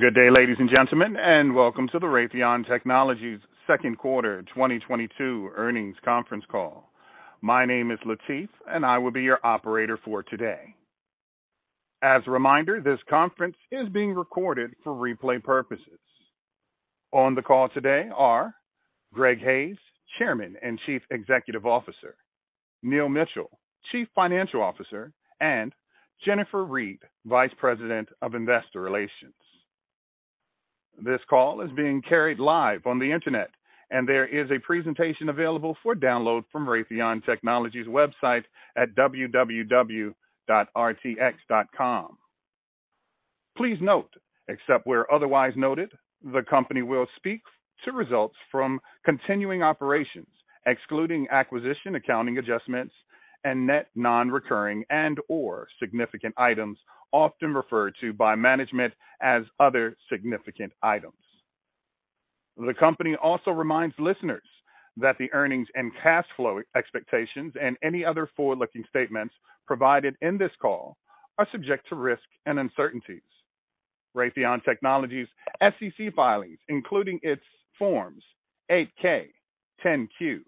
Good day, ladies and gentlemen, and welcome to the Raytheon Technologies Second Quarter 2022 Earnings Conference Call. My name is Latif, and I will be your operator for today. As a reminder, this conference is being recorded for replay purposes. On the call today are Greg Hayes, Chairman and Chief Executive Officer, Neil Mitchill, Chief Financial Officer, and Jennifer Reed, Vice President of Investor Relations. This call is being carried live on the internet, and there is a presentation available for download from Raytheon Technologies website at www.rtx.com. Please note, except where otherwise noted, the company will speak to results from continuing operations, excluding acquisition accounting adjustments and net non-recurring and/or significant items often referred to by management as other significant items. The company also reminds listeners that the earnings and cash flow expectations and any other forward-looking statements provided in this call are subject to risk and uncertainties. Raytheon Technologies SEC filings, including its Forms 8-K, 10-Q,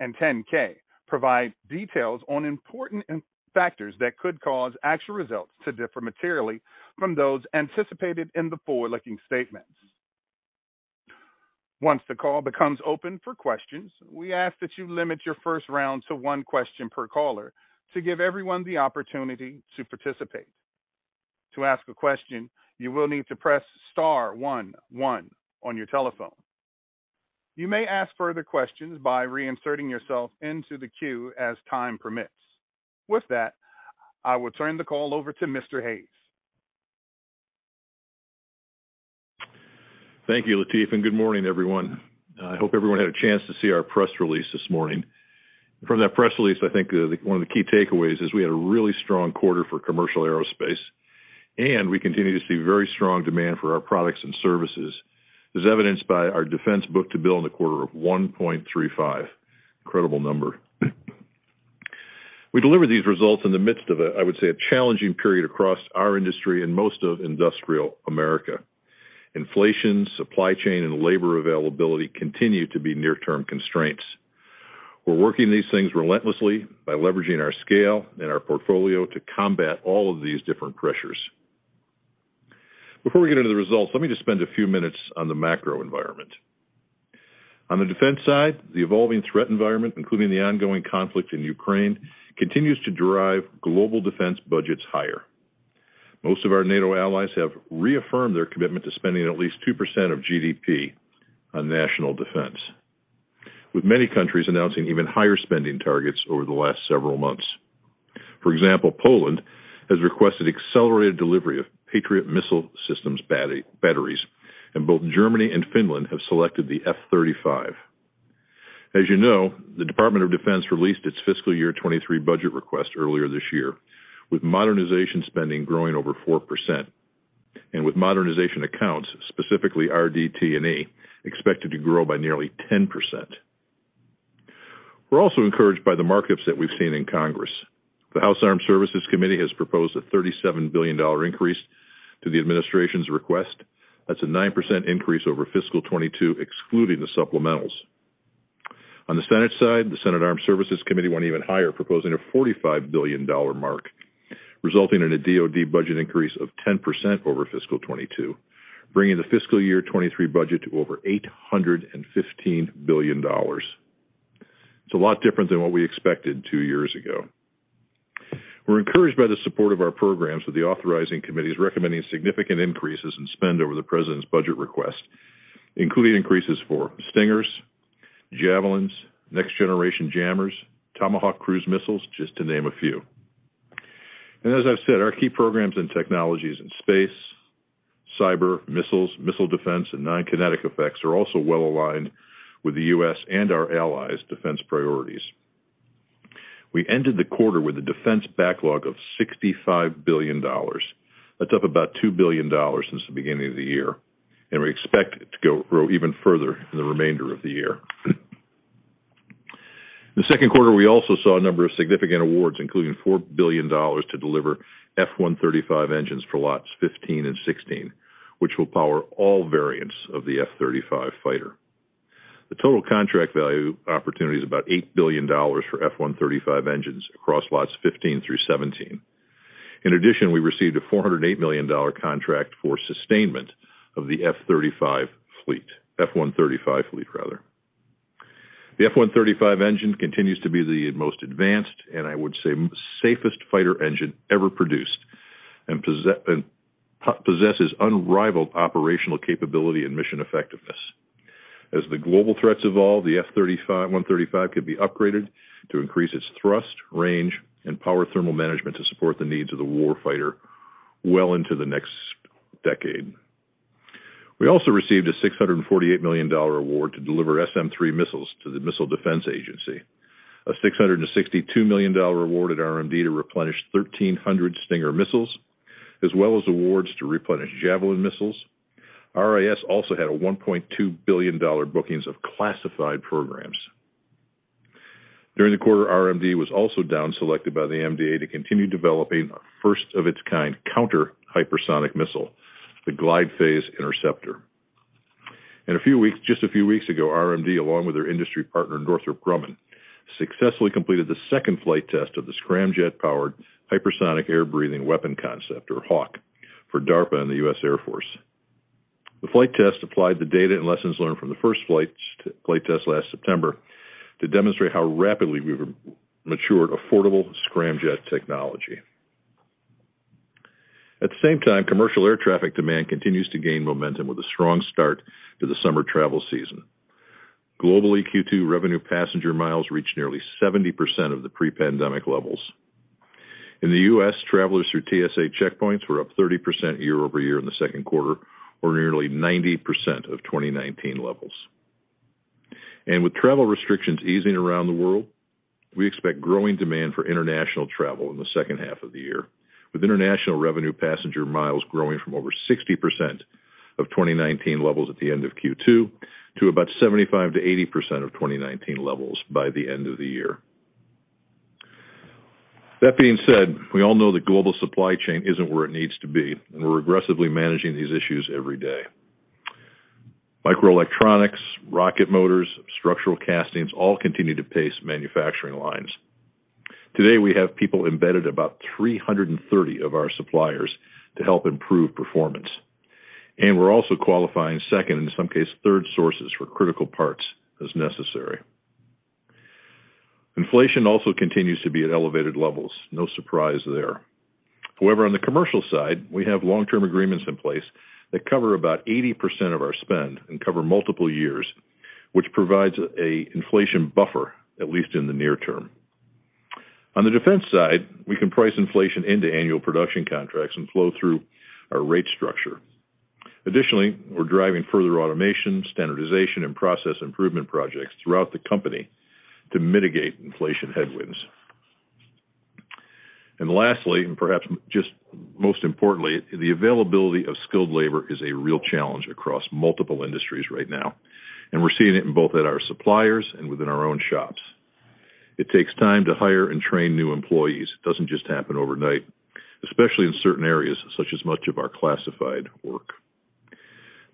and 10-K, provide details on important factors that could cause actual results to differ materially from those anticipated in the forward-looking statements. Once the call becomes open for questions, we ask that you limit your first round to one question per caller to give everyone the opportunity to participate. To ask a question, you will need to press star one one on your telephone. You may ask further questions by reinserting yourself into the queue as time permits. With that, I will turn the call over to Mr. Hayes. Thank you, Latif, and good morning, everyone. I hope everyone had a chance to see our press release this morning. From that press release, I think one of the key takeaways is we had a really strong quarter for commercial aerospace, and we continue to see very strong demand for our products and services, as evidenced by our defense book-to-bill in the quarter of 1.35. Incredible number. We delivered these results in the midst of a, I would say, a challenging period across our industry and most of industrial America. Inflation, supply chain, and labor availability continue to be near-term constraints. We're working these things relentlessly by leveraging our scale and our portfolio to combat all of these different pressures. Before we get into the results, let me just spend a few minutes on the macro environment. On the defense side, the evolving threat environment, including the ongoing conflict in Ukraine, continues to drive global defense budgets higher. Most of our NATO allies have reaffirmed their commitment to spending at least 2% of GDP on national defense, with many countries announcing even higher spending targets over the last several months. For example, Poland has requested accelerated delivery of Patriot missile systems batteries, and both Germany and Finland have selected the F-35. As you know, the Department of Defense released its fiscal year 2023 budget request earlier this year, with modernization spending growing over 4%, and with modernization accounts, specifically RDT&E, expected to grow by nearly 10%. We're also encouraged by the markups that we've seen in Congress. The House Armed Services Committee has proposed a $37 billion increase to the administration's request. That's a 9% increase over fiscal 2022, excluding the supplementals. On the Senate side, the Senate Armed Services Committee went even higher, proposing a $45 billion mark, resulting in a DoD budget increase of 10% over fiscal 2022, bringing the fiscal year 2023 budget to over $815 billion. It's a lot different than what we expected two years ago. We're encouraged by the support of our programs with the authorizing committees recommending significant increases in spend over the president's budget request, including increases for Stingers, Javelins, Next Generation Jammers, Tomahawk cruise missiles, just to name a few. As I've said, our key programs and technologies in space, cyber, missiles, missile defense, and non-kinetic effects are also well aligned with the U.S. and our allies' defense priorities. We ended the quarter with a defense backlog of $65 billion. That's up about $2 billion since the beginning of the year, and we expect it to grow even further in the remainder of the year. The second quarter, we also saw a number of significant awards, including $4 billion to deliver F135 engines for Lots 15 and 16, which will power all variants of the F-35 fighter. The total contract value opportunity is about $8 billion for F135 engines across Lots 15 through 17. In addition, we received a $408 million contract for sustainment of the F-35 fleet, F135 fleet rather. The F135 engine continues to be the most advanced, and I would say safest fighter engine ever produced, and possesses unrivaled operational capability and mission effectiveness. As the global threats evolve, the F-35 F135 can be upgraded to increase its thrust, range, and power thermal management to support the needs of the war fighter well into the next decade. We also received a $648 million award to deliver SM-3 missiles to the Missile Defense Agency, a $662 million award at RMD to replenish 1,300 Stinger missiles, as well as awards to replenish Javelin missiles. RIS also had a $1.2 billion bookings of classified programs. During the quarter, RMD was also down selected by the MDA to continue developing a first of its kind counter hypersonic missile, the Glide Phase Interceptor. Just a few weeks ago, RMD, along with their industry partner, Northrop Grumman, successfully completed the second flight test of the scramjet-powered Hypersonic Air-breathing Weapon Concept, or HAWC, for DARPA and the U.S. Air Force. The flight test applied the data and lessons learned from the first flight test last September to demonstrate how rapidly we've matured affordable scramjet technology. At the same time, commercial air traffic demand continues to gain momentum with a strong start to the summer travel season. Globally, Q2 revenue passenger miles reached nearly 70% of the pre-pandemic levels. In the U.S., travelers through TSA checkpoints were up 30% year-over-year in the second quarter, or nearly 90% of 2019 levels. With travel restrictions easing around the world, we expect growing demand for international travel in the second half of the year, with international revenue passenger miles growing from over 60% of 2019 levels at the end of Q2 to about 75%-80% of 2019 levels by the end of the year. That being said, we all know the global supply chain isn't where it needs to be, and we're aggressively managing these issues every day. Microelectronics, rocket motors, structural castings all continue to pace manufacturing lines. Today, we have people embedded about 330 of our suppliers to help improve performance, and we're also qualifying second, in some cases, third sources for critical parts as necessary. Inflation also continues to be at elevated levels. No surprise there. However, on the commercial side, we have long-term agreements in place that cover about 80% of our spend and cover multiple years, which provides a inflation buffer, at least in the near term. On the defense side, we can price inflation into annual production contracts and flow through our rate structure. Additionally, we're driving further automation, standardization, and process improvement projects throughout the company to mitigate inflation headwinds. Lastly, and perhaps just most importantly, the availability of skilled labor is a real challenge across multiple industries right now, and we're seeing it in both at our suppliers and within our own shops. It takes time to hire and train new employees. It doesn't just happen overnight, especially in certain areas such as much of our classified work.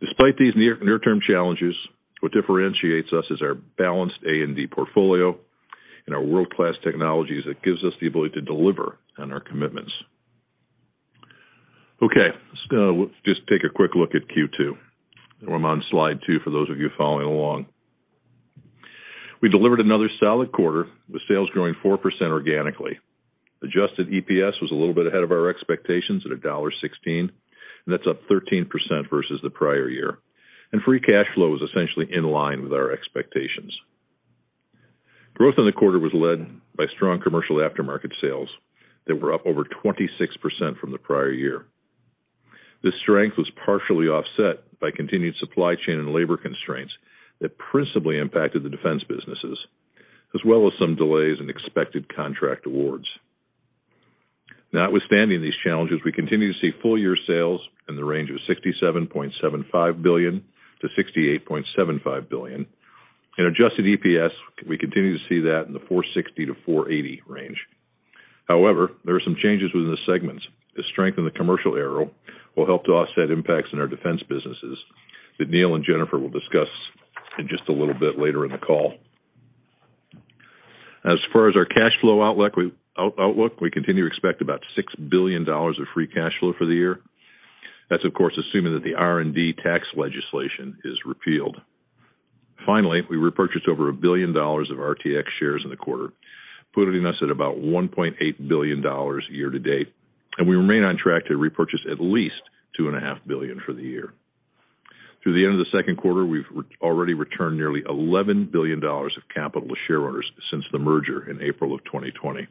Despite these near-term challenges, what differentiates us is our balanced A&D portfolio and our world-class technologies that gives us the ability to deliver on our commitments. Okay, let's just take a quick look at Q2. I'm on slide two for those of you following along. We delivered another solid quarter with sales growing 4% organically. Adjusted EPS was a little bit ahead of our expectations at $1.16, and that's up 13% versus the prior year. Free cash flow was essentially in line with our expectations. Growth in the quarter was led by strong commercial aftermarket sales that were up over 26% from the prior year. This strength was partially offset by continued supply chain and labor constraints that principally impacted the defense businesses, as well as some delays in expected contract awards. Notwithstanding these challenges, we continue to see full-year sales in the range of $67.75 billion-$68.75 billion. In adjusted EPS, we continue to see that in the $4.60-$4.80 range. However, there are some changes within the segments. The strength in the commercial aero will help to offset impacts in our defense businesses that Neil and Jennifer will discuss in just a little bit later in the call. As far as our cash flow outlook, we continue to expect about $6 billion of free cash flow for the year. That's, of course, assuming that the R&D tax legislation is repealed. Finally, we repurchased over $1 billion of RTX shares in the quarter, putting us at about $1.8 billion year-to-date, and we remain on track to repurchase at least $2.5 billion for the year. Through the end of the second quarter, we've already returned nearly $11 billion of capital to shareholders since the merger in April of 2020, and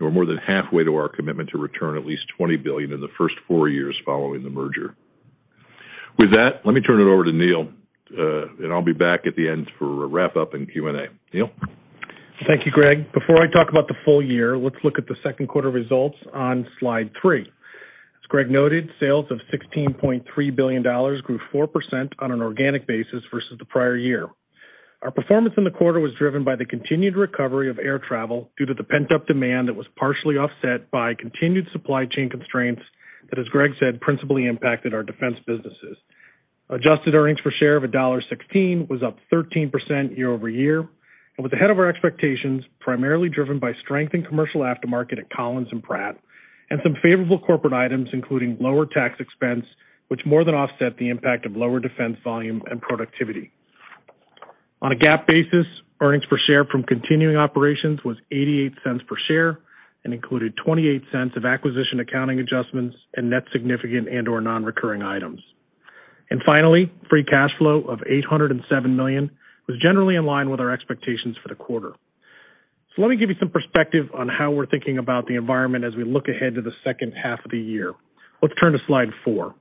we're more than halfway to our commitment to return at least $20 billion in the first four years following the merger. With that, let me turn it over to Neil, and I'll be back at the end for a wrap-up and Q&A. Neil? Thank you, Greg. Before I talk about the full-year, let's look at the second quarter results on slide three. As Greg noted, sales of $16.3 billion grew 4% on an organic basis versus the prior year. Our performance in the quarter was driven by the continued recovery of air travel due to the pent-up demand that was partially offset by continued supply chain constraints that, as Greg said, principally impacted our defense businesses. Adjusted earnings per share of $1.16 was up 13% year-over-year and was ahead of our expectations, primarily driven by strength in commercial aftermarket at Collins and Pratt and some favorable corporate items, including lower tax expense, which more than offset the impact of lower defense volume and productivity. On a GAAP basis, earnings per share from continuing operations was $0.88 per share and included $0.28 of acquisition accounting adjustments and net significant and/or non-recurring items. Finally, free cash flow of $807 million was generally in line with our expectations for the quarter. Let me give you some perspective on how we're thinking about the environment as we look ahead to the second half of the year. Let's turn to slide four.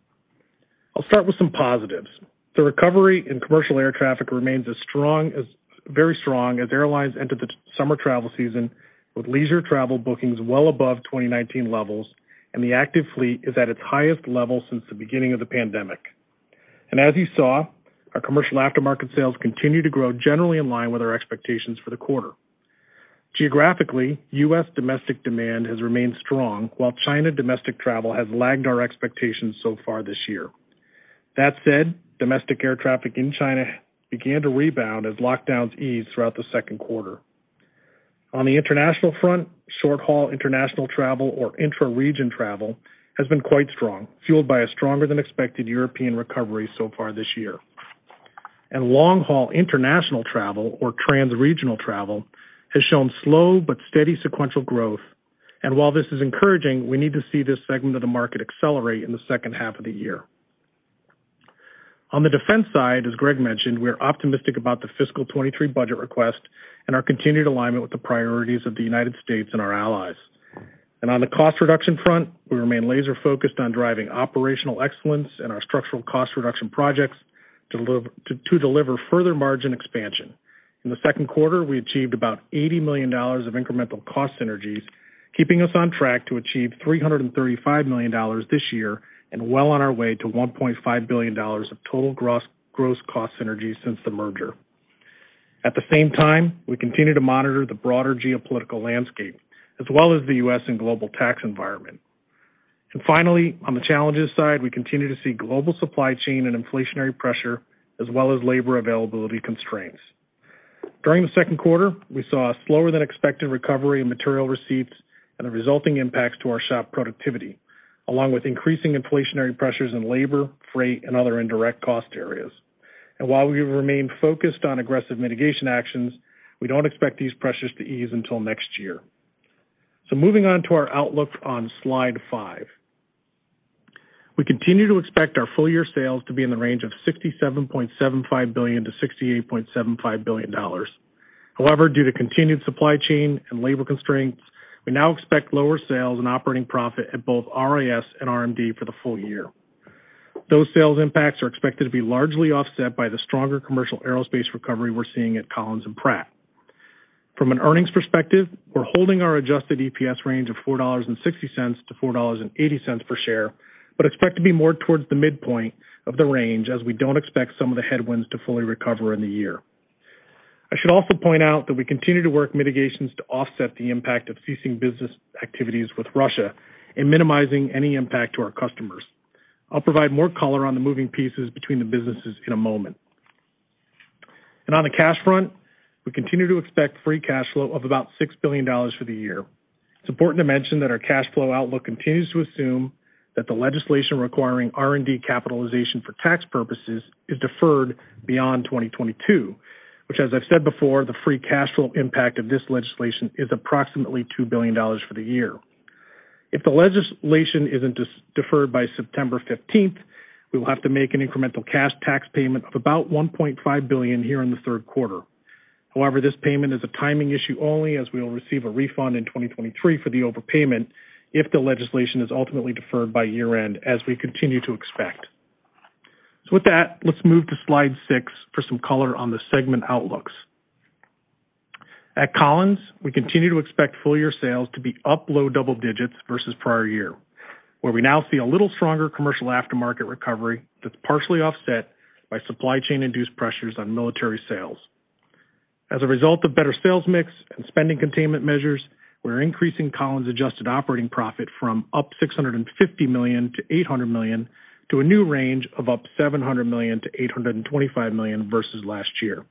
I'll start with some positives. The recovery in commercial air traffic remains very strong as airlines enter this summer travel season with leisure travel bookings well above 2019 levels, and the active fleet is at its highest level since the beginning of the pandemic. As you saw, our commercial aftermarket sales continue to grow generally in line with our expectations for the quarter. Geographically, U.S. domestic demand has remained strong, while China domestic travel has lagged our expectations so far this year. That said, domestic air traffic in China began to rebound as lockdowns eased throughout the second quarter. On the international front, short-haul international travel or intra-region travel has been quite strong, fueled by a stronger than expected European recovery so far this year. Long-haul international travel or trans-regional travel has shown slow but steady sequential growth. While this is encouraging, we need to see this segment of the market accelerate in the second half of the year. On the defense side, as Greg mentioned, we are optimistic about the fiscal 2023 budget request and our continued alignment with the priorities of the United States and our allies. On the cost reduction front, we remain laser-focused on driving operational excellence and our structural cost reduction projects to deliver further margin expansion. In the second quarter, we achieved about $80 million of incremental cost synergies, keeping us on track to achieve $335 million this year and well on our way to $1.5 billion of total gross cost synergies since the merger. At the same time, we continue to monitor the broader geopolitical landscape, as well as the U.S. and global tax environment. Finally, on the challenges side, we continue to see global supply chain and inflationary pressure, as well as labor availability constraints. During the second quarter, we saw a slower than expected recovery in material receipts and the resulting impacts to our shop productivity, along with increasing inflationary pressures in labor, freight, and other indirect cost areas. While we remain focused on aggressive mitigation actions, we don't expect these pressures to ease until next year. Moving on to our outlook on slide five. We continue to expect our full-year sales to be in the range of $67.75 billion-$68.75 billion. However, due to continued supply chain and labor constraints, we now expect lower sales and operating profit at both RIS and RMD for the full-year. Those sales impacts are expected to be largely offset by the stronger commercial aerospace recovery we're seeing at Collins and Pratt. From an earnings perspective, we're holding our adjusted EPS range of $4.60-$4.80 per share, but expect to be more towards the midpoint of the range as we don't expect some of the headwinds to fully recover in the year. I should also point out that we continue to work mitigations to offset the impact of ceasing business activities with Russia and minimizing any impact to our customers. I'll provide more color on the moving pieces between the businesses in a moment. On the cash front, we continue to expect free cash flow of about $6 billion for the year. It's important to mention that our cash flow outlook continues to assume that the legislation requiring R&D capitalization for tax purposes is deferred beyond 2022, which, as I've said before, the free cash flow impact of this legislation is approximately $2 billion for the year. If the legislation isn't deferred by September 15th, we will have to make an incremental cash tax payment of about $1.5 billion here in the third quarter. However, this payment is a timing issue only as we will receive a refund in 2023 for the overpayment if the legislation is ultimately deferred by year-end, as we continue to expect. With that, let's move to slide six for some color on the segment outlooks. At Collins, we continue to expect full-year sales to be up low double-digits versus prior year, where we now see a little stronger commercial aftermarket recovery that's partially offset by supply chain-induced pressures on military sales. As a result of better sales mix and spending containment measures, we're increasing Collins' adjusted operating profit from up $650 million-$800 million to a new range of up $700 million-$825 million versus last year.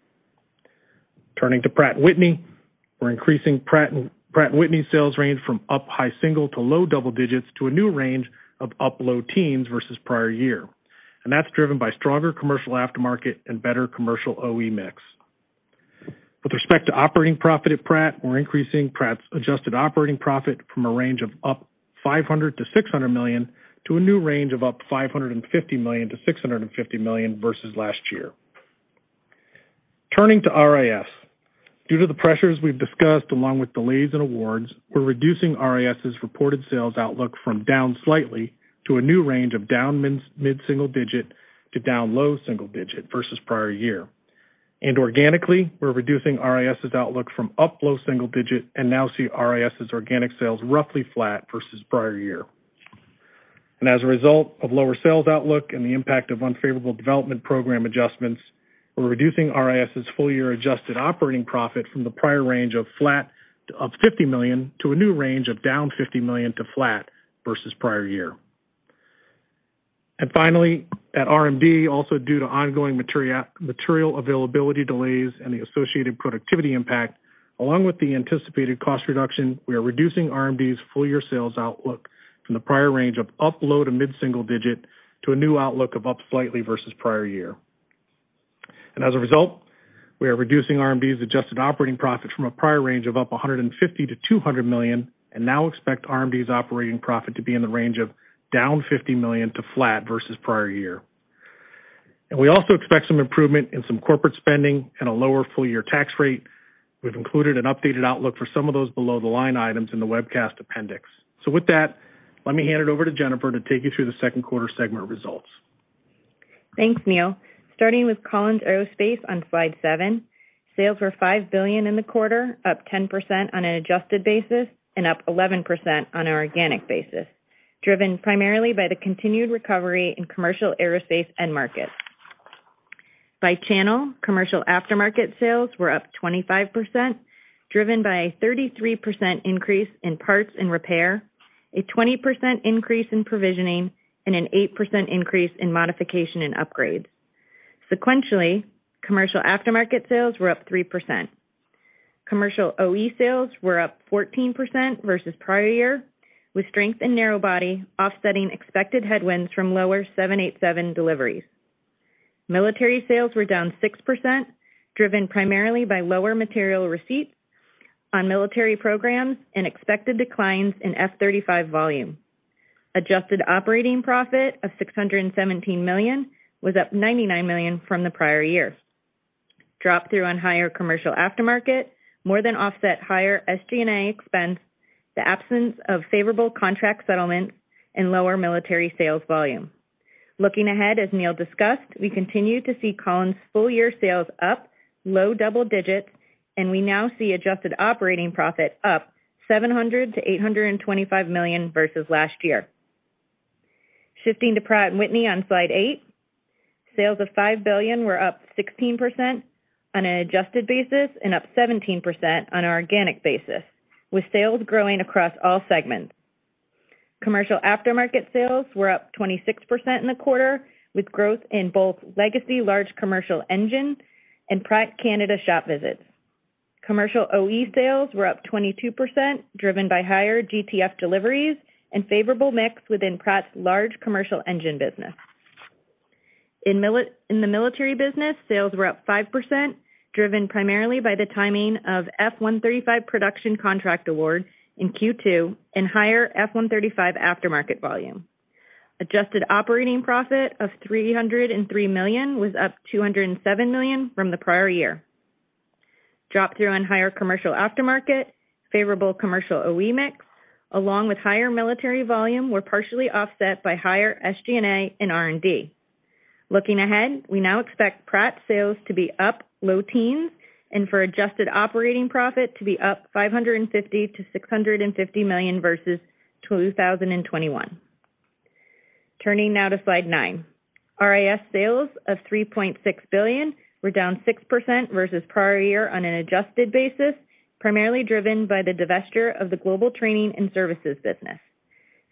Turning to Pratt & Whitney, we're increasing Pratt & Whitney's sales range from up high single to low double-digits to a new range of up low teens versus prior year. That's driven by stronger commercial aftermarket and better commercial OE mix. With respect to operating profit at Pratt, we're increasing Pratt's adjusted operating profit from a range of up $500 million-$600 million to a new range of up $550 million-$650 million versus last year. Turning to RIS. Due to the pressures we've discussed, along with delays in awards, we're reducing RIS' reported sales outlook from down slightly to a new range of down mid to mid single-digit to down low single-digit versus prior year. Organically, we're reducing RIS' outlook from up low single-digit and now see RIS' organic sales roughly flat versus prior year. As a result of lower sales outlook and the impact of unfavorable development program adjustments, we're reducing RIS' full-year adjusted operating profit from the prior range of flat to up $50 million to a new range of down $50 million to flat versus prior year. Finally, at RMD, also due to ongoing material availability delays and the associated productivity impact, along with the anticipated cost reduction, we are reducing RMD's full-year sales outlook from the prior range of up low to mid single-digit to a new outlook of up slightly versus prior year. As a result, we are reducing RMD's adjusted operating profit from a prior range of up $150 million-$200 million and now expect RMD's operating profit to be in the range of down $50 million to flat versus prior year. We also expect some improvement in some corporate spending and a lower full-year tax rate. We've included an updated outlook for some of those below-the-line items in the webcast appendix. With that, let me hand it over to Jennifer to take you through the second quarter segment results. Thanks, Neil. Starting with Collins Aerospace on slide seven, sales were $5 billion in the quarter, up 10% on an adjusted basis and up 11% on an organic basis, driven primarily by the continued recovery in commercial aerospace end markets. By channel, commercial aftermarket sales were up 25%, driven by a 33% increase in parts and repair, a 20% increase in provisioning, and an 8% increase in modification and upgrades. Sequentially, commercial aftermarket sales were up 3%. Commercial OE sales were up 14% versus prior year, with strength in narrow body offsetting expected headwinds from lower 787 deliveries. Military sales were down 6%, driven primarily by lower material receipts on military programs and expected declines in F-35 volume. Adjusted operating profit of $617 million was up $99 million from the prior year. Drop through on higher commercial aftermarket more than offset higher SG&A expense, the absence of favorable contract settlements and lower military sales volume. Looking ahead, as Neil discussed, we continue to see Collins full-year sales up low double-digits, and we now see adjusted operating profit up $700 million-$825 million versus last year. Shifting to Pratt & Whitney on slide eight. Sales of $5 billion were up 16% on an adjusted basis and up 17% on an organic basis, with sales growing across all segments. Commercial aftermarket sales were up 26% in the quarter, with growth in both legacy large commercial engine and Pratt Canada shop visits. Commercial OE sales were up 22%, driven by higher GTF deliveries and favorable mix within Pratt's large commercial engine business. In the military business, sales were up 5%, driven primarily by the timing of F135 production contract award in Q2 and higher F135 aftermarket volume. Adjusted operating profit of $303 million was up $207 million from the prior year. Drop through on higher commercial aftermarket, favorable commercial OE mix, along with higher military volume, were partially offset by higher SG&A and R&D. Looking ahead, we now expect Pratt sales to be up low teens and for adjusted operating profit to be up $550 million-$650 million versus 2021. Turning now to slide nine. RIS sales of $3.6 billion were down 6% versus prior year on an adjusted basis, primarily driven by the divestiture of the global training and services business.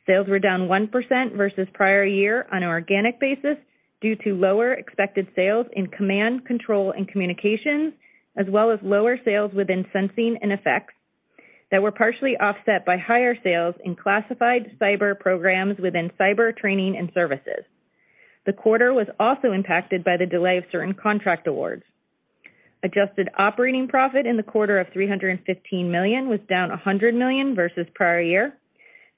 Sales were down 1% versus prior year on an organic basis due to lower expected sales in command, control, and communications, as well as lower sales within sensing and effects that were partially offset by higher sales in classified cyber programs within cyber training and services. The quarter was also impacted by the delay of certain contract awards. Adjusted operating profit in the quarter of $315 million was down $100 million versus prior year,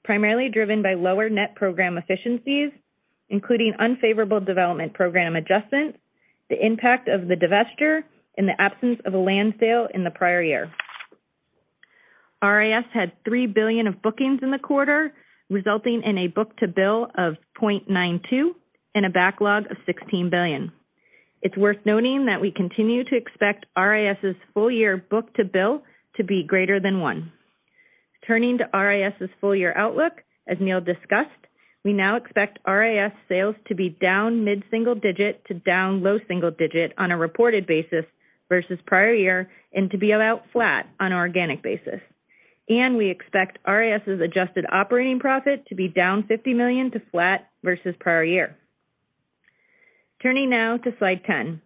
primarily driven by lower net program efficiencies, including unfavorable development program adjustments, the impact of the divestiture, and the absence of a land sale in the prior year. RIS had $3 billion of bookings in the quarter, resulting in a book-to-bill of 0.92 and a backlog of $16 billion. It's worth noting that we continue to expect RIS' full-year book-to-bill to be greater than one. Turning to RIS' full-year outlook, as Neil discussed, we now expect RIS sales to be down mid single-digit to down low single-digit on a reported basis versus prior year and to be about flat on an organic basis. We expect RIS' adjusted operating profit to be down $50 million to flat versus prior year. Turning now to slide 10.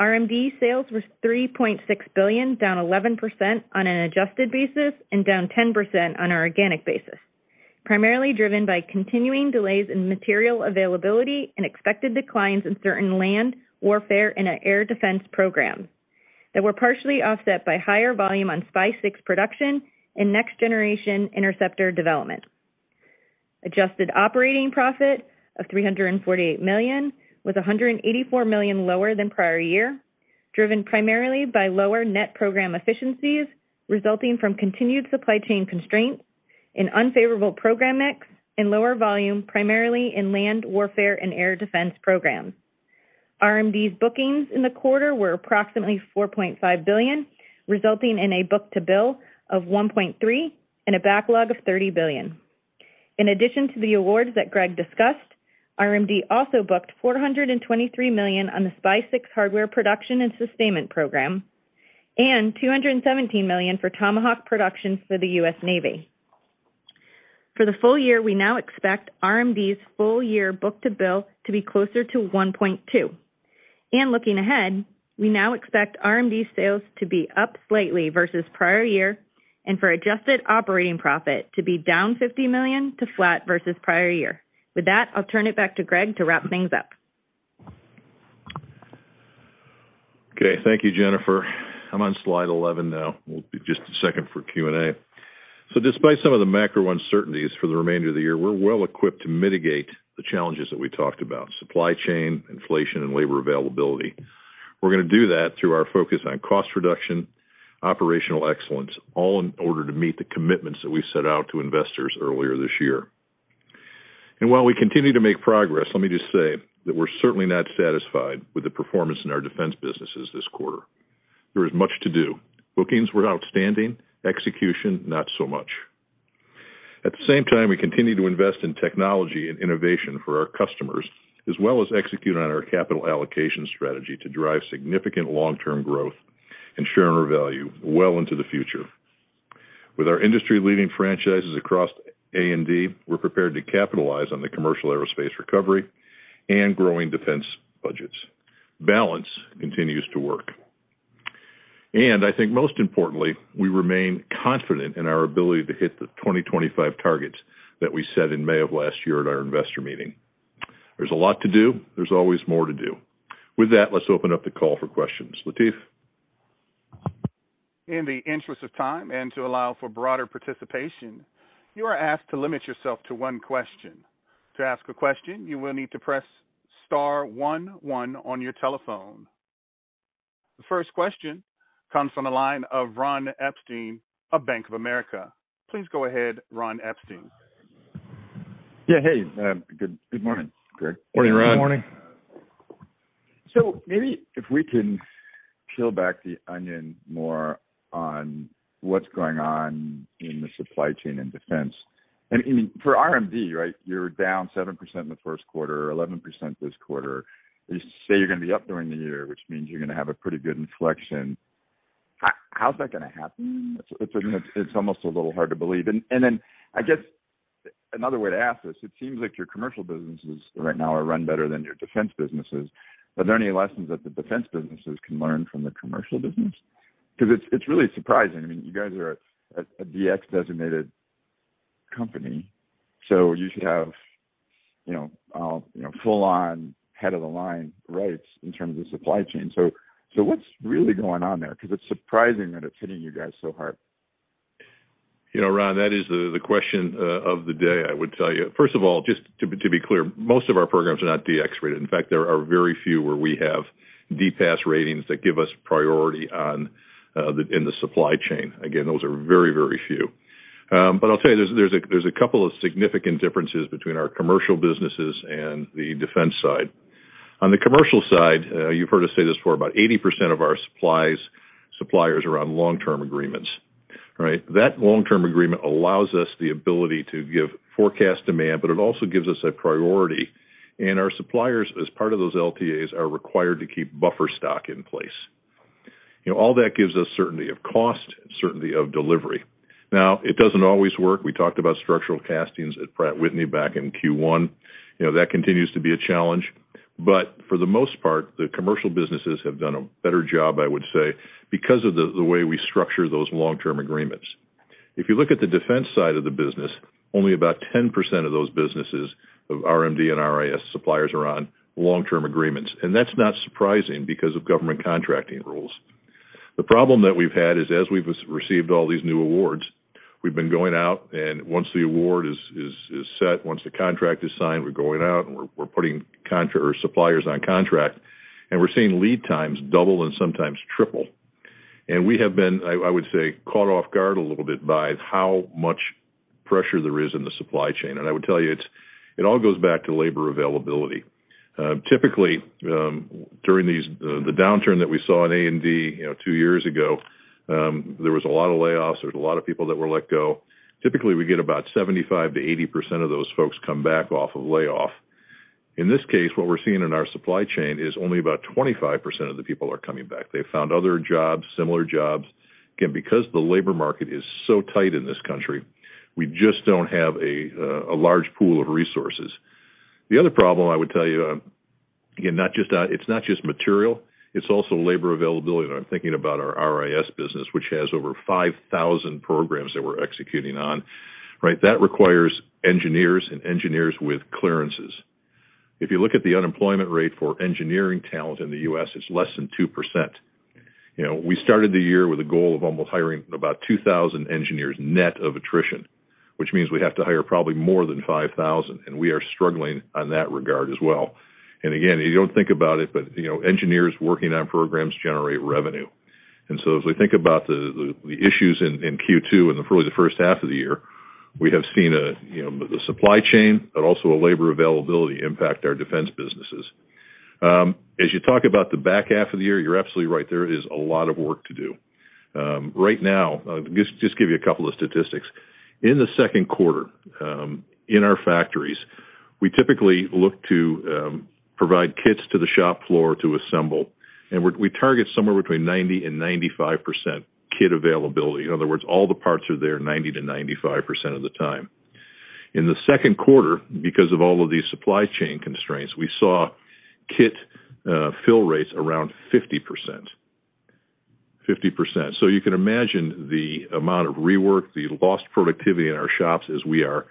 RMD sales was $3.6 billion, down 11% on an adjusted basis and down 10% on an organic basis, primarily driven by continuing delays in material availability and expected declines in certain Land Warfare and Air Defense programs that were partially offset by higher volume on SPY-6 production and Next Generation Interceptor development. Adjusted operating profit of $348 million was $184 million lower than prior year, driven primarily by lower net program efficiencies resulting from continued supply chain constraints and unfavorable program mix and lower volume, primarily in Land Warfare and Air Defense programs. RMD's bookings in the quarter were approximately $4.5 billion, resulting in a book-to-bill of 1.3 and a backlog of $30 billion. In addition to the awards that Greg discussed, RMD also booked $423 million on the SPY-6 hardware production and sustainment program and $217 million for Tomahawk productions for the U.S. Navy. For the full-year, we now expect RMD's full-year book-to-bill to be closer to 1.2. Looking ahead, we now expect RMD sales to be up slightly versus prior year and for adjusted operating profit to be down $50 million to flat versus prior year. With that, I'll turn it back to Greg to wrap things up. Okay. Thank you, Jennifer. I'm on slide 11 now. We'll be just a second for Q&A. Despite some of the macro uncertainties for the remainder of the year, we're well equipped to mitigate the challenges that we talked about: supply chain, inflation, and labor availability. We're gonna do that through our focus on cost reduction, operational excellence, all in order to meet the commitments that we set out to investors earlier this year. While we continue to make progress, let me just say that we're certainly not satisfied with the performance in our defense businesses this quarter. There is much to do. Bookings were outstanding, execution, not so much. At the same time, we continue to invest in technology and innovation for our customers, as well as execute on our capital allocation strategy to drive significant long-term growth and share our value well into the future. With our industry-leading franchises across A&D, we're prepared to capitalize on the commercial aerospace recovery and growing defense budgets. Balance continues to work. I think most importantly, we remain confident in our ability to hit the 2025 targets that we set in May of last year at our investor meeting. There's a lot to do. There's always more to do. With that, let's open up the call for questions, Latif. In the interest of time and to allow for broader participation, you are asked to limit yourself to one question. To ask a question, you will need to press star one one on your telephone. The first question comes from the line of Ron Epstein of Bank of America. Please go ahead, Ron Epstein. Yeah. Hey, good morning, Greg. Morning, Ron. Good morning. Maybe if we can peel back the onion more on what's going on in the supply chain and defense. I mean, for RMD, right, you're down 7% in the first quarter, 11% this quarter. You say you're gonna be up during the year, which means you're gonna have a pretty good inflection. How's that gonna happen? It's almost a little hard to believe. Then I guess another way to ask this, it seems like your commercial businesses right now are run better than your defense businesses. Are there any lessons that the defense businesses can learn from the commercial business? 'Cause it's really surprising. I mean, you guys are a DX-designated company, so you should have, you know, you know, full on head of the line rights in terms of supply chain. What's really going on there 'cause it's surprising that it's hitting you guys so hard. You know, Ron, that is the question of the day, I would tell you. First of all, just to be clear, most of our programs are not DPAS-rated. In fact, there are very few where we have DPAS ratings that give us priority in the supply chain. Again, those are very, very few. I'll tell you there's a couple of significant differences between our commercial businesses and the defense side. On the commercial side, you've heard us say this for about 80% of our suppliers are on long-term agreements. Right? That long-term agreement allows us the ability to give forecast demand, but it also gives us a priority, and our suppliers, as part of those LTAs, are required to keep buffer stock in place. You know, all that gives us certainty of cost, certainty of delivery. Now, it doesn't always work. We talked about structural castings at Pratt & Whitney back in Q1. You know, that continues to be a challenge. But for the most part, the commercial businesses have done a better job, I would say, because of the way we structure those long-term agreements. If you look at the defense side of the business, only about 10% of those businesses of RMD and RIS suppliers are on long-term agreements, and that's not surprising because of government contracting rules. The problem that we've had is as we've received all these new awards, we've been going out, and once the award is set, once the contract is signed, we're going out and we're putting contractors or suppliers on contract, and we're seeing lead times double and sometimes triple. We have been, I would say, caught off guard a little bit by how much pressure there is in the supply chain. I would tell you, it all goes back to labor availability. Typically, during the downturn that we saw in A&D, you know, two years ago, there was a lot of layoffs. There was a lot of people that were let go. Typically, we get about 75%-80% of those folks come back off of layoff. In this case, what we're seeing in our supply chain is only about 25% of the people are coming back. They've found other jobs, similar jobs. Again, because the labor market is so tight in this country, we just don't have a large pool of resources. The other problem I would tell you, again, it's not just material, it's also labor availability. I'm thinking about our RIS business, which has over 5,000 programs that we're executing on, right? That requires engineers and engineers with clearances. If you look at the unemployment rate for engineering talent in the U.S., it's less than 2%. You know, we started the year with a goal of almost hiring about 2,000 engineers net of attrition, which means we have to hire probably more than 5,000, and we are struggling in that regard as well. Again, you don't think about it, but, you know, engineers working on programs generate revenue. As we think about the issues in Q2 and for the first half of the year, we have seen the supply chain, but also a labor availability impact our defense businesses. As you talk about the back half of the year, you're absolutely right, there is a lot of work to do. Right now, just give you a couple of statistics. In the second quarter, in our factories, we typically look to provide kits to the shop floor to assemble, and we target somewhere between 90%-95% kit availability. In other words, all the parts are there 90%-95% of the time. In the second quarter, because of all of these supply chain constraints, we saw kit fill rates around 50%. 50%, so you can imagine the amount of rework, the lost productivity in our shops as we are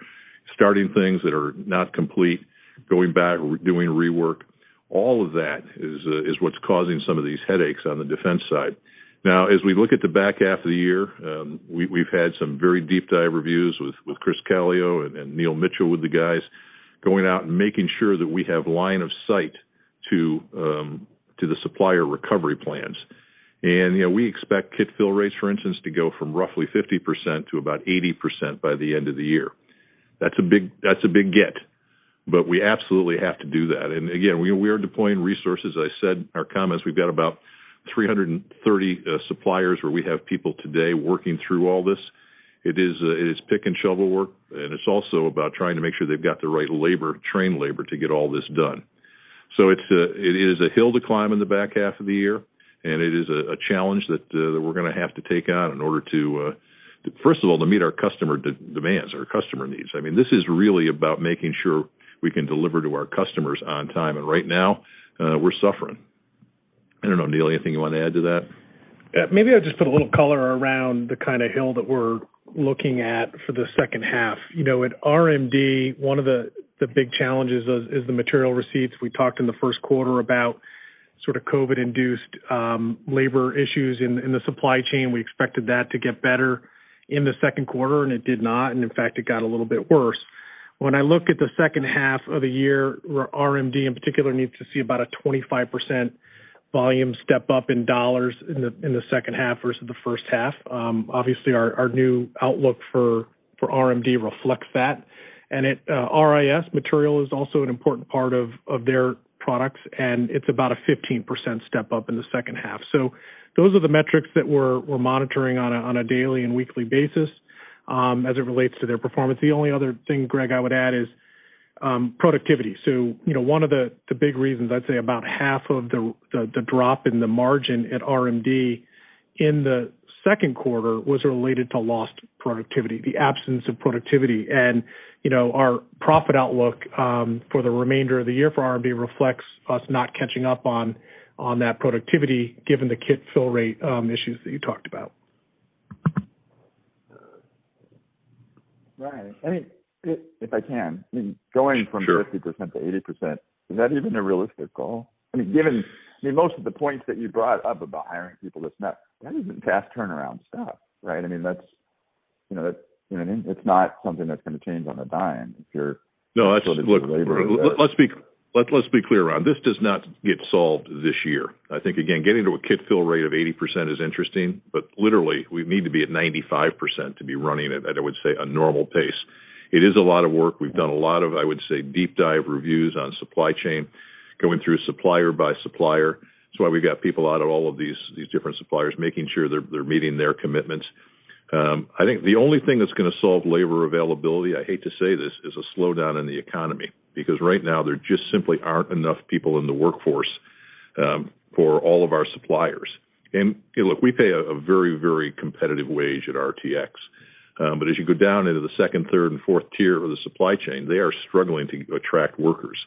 starting things that are not complete, going back, doing rework. All of that is what's causing some of these headaches on the defense side. Now, as we look at the back half of the year, we've had some very deep dive reviews with Chris Calio and Neil Mitchill with the guys, going out and making sure that we have line of sight to the supplier recovery plans. You know, we expect kit fill rates, for instance, to go from roughly 50% to about 80% by the end of the year. That's a big get. We absolutely have to do that. We are deploying resources. I said in our comments, we've got about 330 suppliers where we have people today working through all this. It is pick and shovel work, and it's also about trying to make sure they've got the right labor, trained labor, to get all this done. It's a hill to climb in the back half of the year, and it is a challenge that we're gonna have to take on in order to first of all to meet our customer demands, our customer needs. I mean, this is really about making sure we can deliver to our customers on time. Right now, we're suffering. I don't know, Neil, anything you want to add to that? Yeah. Maybe I'll just put a little color around the kind of hill that we're looking at for the second half. You know, at RMD, one of the big challenges is the material receipts. We talked in the first quarter about sort of COVID-induced labor issues in the supply chain. We expected that to get better in the second quarter, and it did not. In fact, it got a little bit worse. When I look at the second half of the year, RMD in particular needs to see about a 25% volume step-up in dollars in the second half versus the first half. Obviously, our new outlook for RMD reflects that. At RIS, material is also an important part of their products, and it's about a 15% step-up in the second half. Those are the metrics that we're monitoring on a daily and weekly basis as it relates to their performance. The only other thing, Greg, I would add is productivity. You know, one of the big reasons, I'd say about half of the drop in the margin at RMD in the second quarter was related to lost productivity, the absence of productivity. You know, our profit outlook for the remainder of the year for RMD reflects us not catching up on that productivity, given the kit fill rate issues that you talked about. Right. I mean, if I can. Sure. 50%-80%, is that even a realistic goal? I mean, most of the points that you brought up about hiring people, that's not, that isn't fast turnaround stuff, right? I mean, that's, you know, that. You know what I mean? It's not something that's gonna change on a dime if you're- No. -labor. Let's be clear, Ron. This does not get solved this year. I think, again, getting to a kit fill rate of 80% is interesting, but literally, we need to be at 95% to be running at, I would say, a normal pace. It is a lot of work. We've done a lot of, I would say, deep dive reviews on supply chain, going through supplier by supplier. That's why we've got people out at all of these different suppliers, making sure they're meeting their commitments. I think the only thing that's gonna solve labor availability, I hate to say this, is a slowdown in the economy. Because right now, there just simply aren't enough people in the workforce for all of our suppliers. You know, look, we pay a very, very competitive wage at RTX. As you go down into the second, third and fourth tier of the supply chain, they are struggling to attract workers.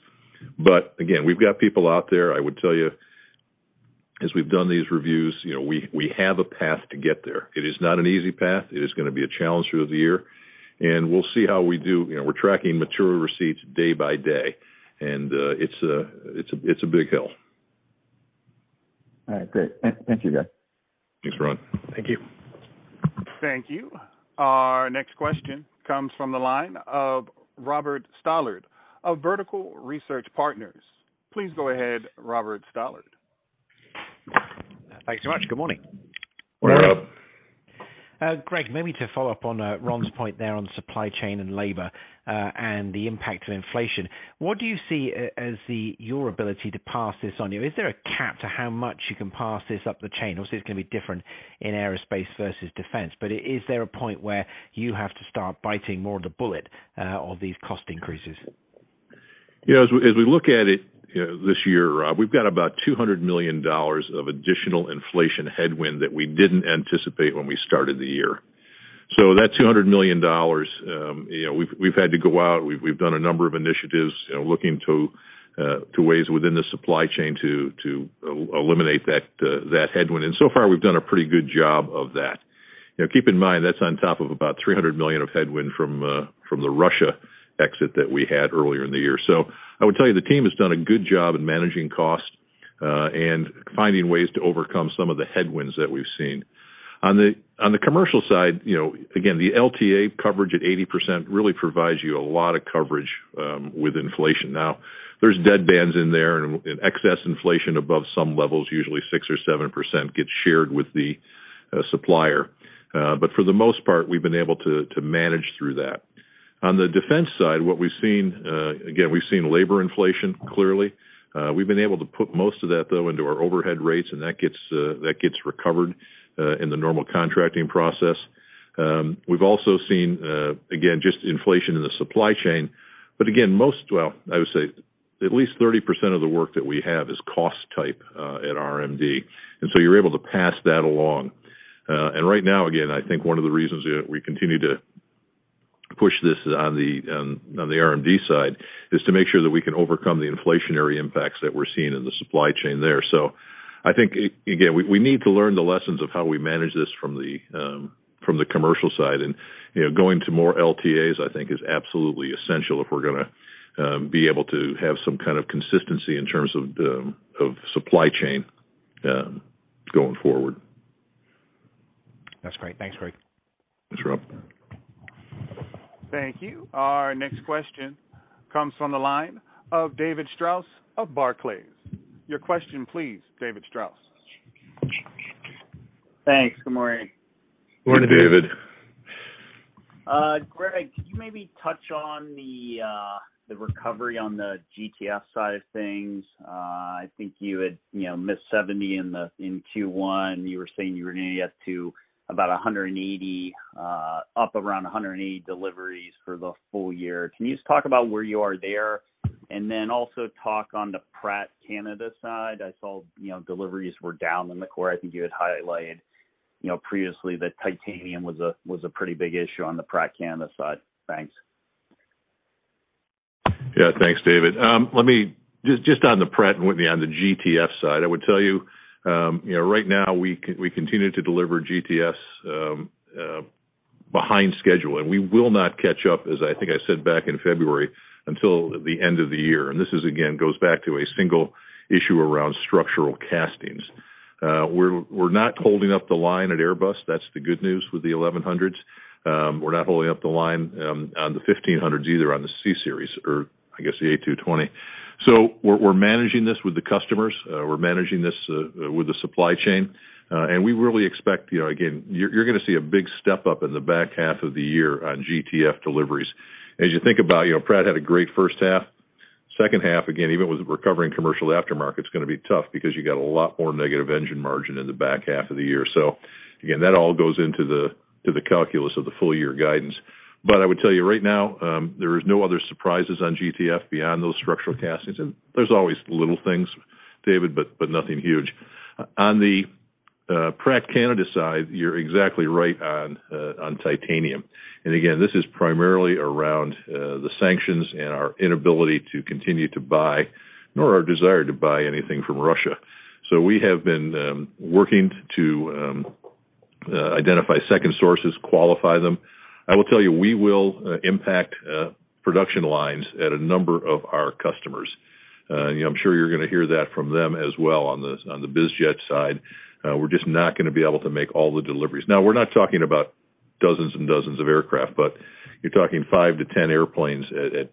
Again, we've got people out there. I would tell you, as we've done these reviews, you know, we have a path to get there. It is not an easy path. It is gonna be a challenge through the year, and we'll see how we do. You know, we're tracking material receipts day by day, and it's a big hill. All right. Great. Thank you guys. Thanks, Ron. Thank you. Thank you. Our next question comes from the line of Robert Stallard of Vertical Research Partners. Please go ahead, Robert Stallard. Thanks so much. Good morning. Morning, Rob. Morning. Greg, maybe to follow up on Ron's point there on supply chain and labor, and the impact of inflation. What do you see as your ability to pass this on? Is there a cap to how much you can pass this up the chain? Obviously, it's gonna be different in aerospace versus defense. Is there a point where you have to start biting more of the bullet on these cost increases? You know, as we look at it, you know, this year, Rob, we've got about $200 million of additional inflation headwind that we didn't anticipate when we started the year. That $200 million, you know, we've had to go out, we've done a number of initiatives, you know, looking to ways within the supply chain to eliminate that headwind. So far, we've done a pretty good job of that. You know, keep in mind, that's on top of about $300 million of headwind from the Russia exit that we had earlier in the year. I would tell you, the team has done a good job in managing cost and finding ways to overcome some of the headwinds that we've seen. On the commercial side, you know, again, the LTA coverage at 80% really provides you a lot of coverage with inflation. Now, there's dead bands in there and excess inflation above some levels, usually 6% or 7% gets shared with the supplier. For the most part, we've been able to manage through that. On the defense side, what we've seen, again, we've seen labor inflation, clearly. We've been able to put most of that, though, into our overhead rates, and that gets recovered in the normal contracting process. We've also seen, again, just inflation in the supply chain. Again, well, I would say at least 30% of the work that we have is cost type at RMD. So you're able to pass that along. Right now, again, I think one of the reasons that we continue to push this on the RMD side is to make sure that we can overcome the inflationary impacts that we're seeing in the supply chain there. I think again, we need to learn the lessons of how we manage this from the commercial side. You know, going to more LTAs, I think is absolutely essential if we're gonna be able to have some kind of consistency in terms of the supply chain going forward. That's great. Thanks, Greg. Thanks, Rob. Thank you. Our next question comes from the line of David Strauss of Barclays. Your question please, David Strauss. Thanks. Good morning. Good morning, David. Greg, could you maybe touch on the recovery on the GTF side of things? I think you had, you know, missed 70 in Q1. You were saying you were gonna get to about 180, up around 180 deliveries for the full-year. Can you just talk about where you are there? Then also talk on the Pratt Canada side. I saw, you know, deliveries were down in the quarter. I think you had highlighted, you know, previously that titanium was a pretty big issue on the Pratt Canada side. Thanks. Yeah. Thanks, David. Just on the Pratt & Whitney on the GTF side, I would tell you know, right now we continue to deliver GTF behind schedule, and we will not catch up, as I think I said back in February, until the end of the year. This, again, goes back to a single issue around structural castings. We're not holding up the line at Airbus, that's the good news with the 1,100. We're not holding up the line on the 1,500 either on the CSeries or I guess the A220. We're managing this with the customers, we're managing this with the supply chain. We really expect, you know, again, you're gonna see a big step up in the back half of the year on GTF deliveries. As you think about, you know, Pratt had a great first half. Second half, again, even with recovering commercial aftermarket, it's gonna be tough because you got a lot more negative engine margin in the back half of the year. That all goes into the calculus of the full-year guidance. But I would tell you right now, there is no other surprises on GTF beyond those structural castings. There's always little things, David, but nothing huge. On the Pratt Canada side, you're exactly right on titanium. This is primarily around the sanctions and our inability to continue to buy, nor our desire to buy anything from Russia. We have been working to identify second sources, qualify them. I will tell you, we will impact production lines at a number of our customers. You know, I'm sure you're gonna hear that from them as well on the biz jet side. We're just not gonna be able to make all the deliveries. Now, we're not talking about dozens and dozens of aircraft, but you're talking five to 10 airplanes at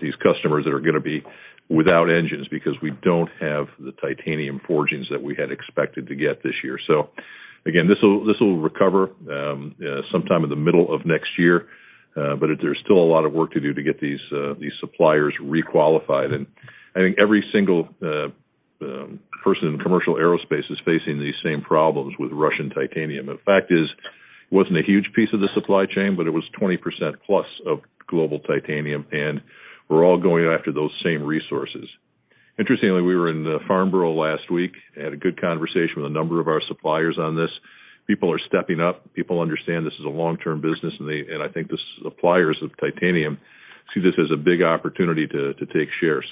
these customers that are gonna be without engines because we don't have the titanium forgings that we had expected to get this year. Again, this will recover sometime in the middle of next year, but there's still a lot of work to do to get these suppliers requalified. I think every single person in commercial aerospace is facing these same problems with Russian titanium. The fact is, it wasn't a huge piece of the supply chain, but it was 20%+ of global titanium, and we're all going after those same resources. Interestingly, we were in the Farnborough last week, had a good conversation with a number of our suppliers on this. People are stepping up. People understand this is a long-term business, and I think the suppliers of titanium see this as a big opportunity to take share.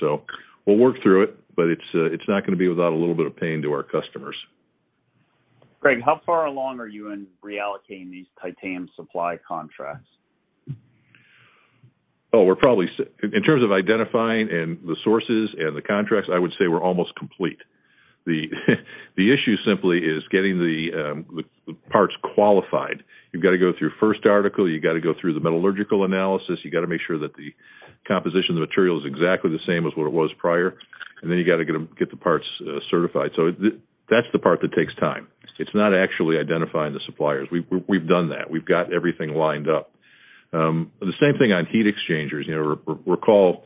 We'll work through it, but it's not gonna be without a little bit of pain to our customers. Greg, how far along are you in reallocating these titanium supply contracts? In terms of identifying and the sources and the contracts, I would say we're almost complete. The issue simply is getting the parts qualified. You've got to go through first article, you gotta go through the metallurgical analysis, you gotta make sure that the composition of the material is exactly the same as what it was prior. You gotta get the parts certified. That's the part that takes time. It's not actually identifying the suppliers. We've done that. We've got everything lined up. The same thing on heat exchangers. You know, recall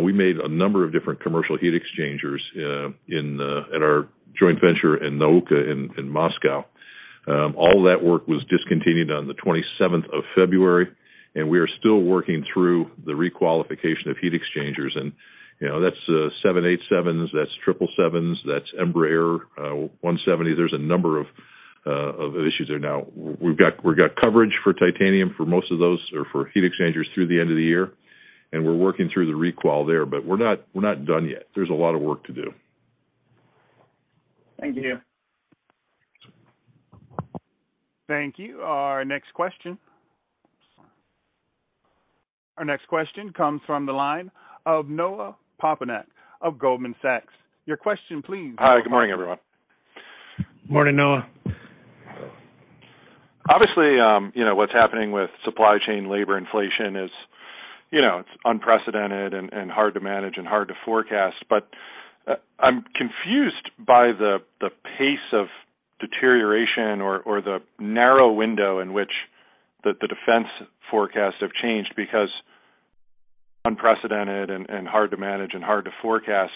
we made a number of different commercial heat exchangers at our joint venture in Nauka in Moscow. All that work was discontinued on the 27th of February, and we are still working through the requalification of heat exchangers and you know, that's 787s, that's 777s, that's Embraer E170. There's a number of issues there now. We've got coverage for titanium for most of those or for heat exchangers through the end of the year, and we're working through the requal there, but we're not done yet. There's a lot of work to do. Thank you. Thank you. Our next question. Our next question comes from the line of Noah Poponak of Goldman Sachs. Your question, please. Hi, good morning, everyone. Morning, Noah. Obviously, you know, what's happening with supply chain labor inflation is, you know, it's unprecedented and hard to manage and hard to forecast. I'm confused by the pace of deterioration or the narrow window in which the defense forecasts have changed because unprecedented and hard to manage and hard to forecast.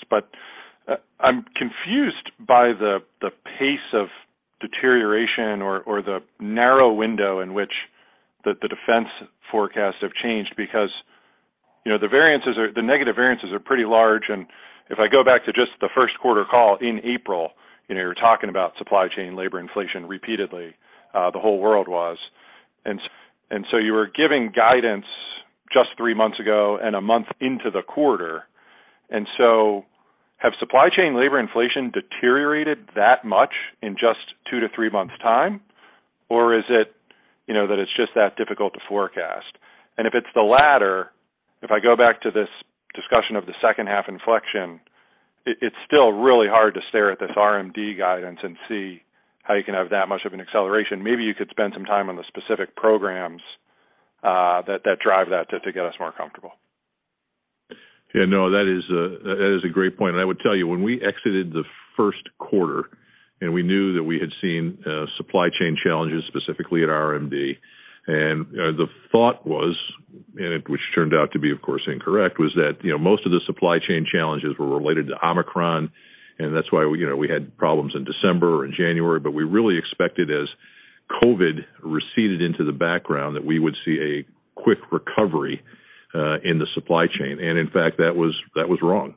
You know, the negative variances are pretty large, and if I go back to just the first quarter call in April, you know, you're talking about supply chain labor inflation repeatedly, the whole world was. You were giving guidance just three months ago and a month into the quarter. Have supply chain labor inflation deteriorated that much in just two to three months time? Or is it, you know, that it's just that difficult to forecast? If it's the latter, if I go back to this discussion of the second half inflection, it's still really hard to stare at this RMD guidance and see how you can have that much of an acceleration. Maybe you could spend some time on the specific programs that drive that to get us more comfortable. Yeah, no, that is a great point. I would tell you, when we exited the first quarter, and we knew that we had seen supply chain challenges, specifically at RMD. The thought was, which turned out to be, of course, incorrect, that you know, most of the supply chain challenges were related to Omicron, and that's why we, you know, we had problems in December or in January. We really expected as COVID receded into the background, that we would see a quick recovery in the supply chain. In fact, that was wrong.